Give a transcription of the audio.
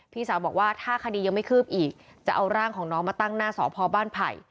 พี่สาวบอกว่าถ้าคดียังไม่คืบอีกจะเอาร่างของน้องมาตั้งหน้าสพบ้านไผ่